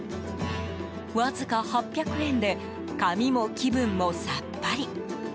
わずか８００円で髪も気分もさっぱり。